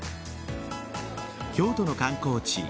京都の観光地